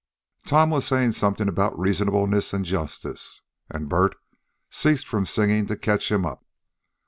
Tom was saying something about reasonableness and justice, and Bert ceased from singing to catch him up.